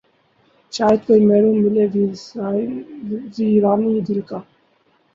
شاید کوئی محرم ملے ویرانئ دل کا